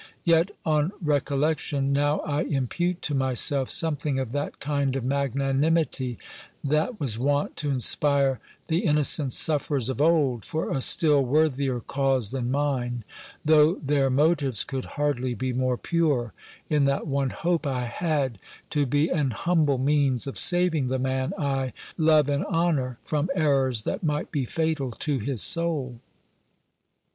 Yet, on recollection, now I impute to myself something of that kind of magnanimity, that was wont to inspire the innocent sufferers of old, for a still worthier cause than mine; though their motives could hardly be more pure, in that one hope I had, to be an humble means of saving the man I love and honour, from errors that might be fatal to his soul.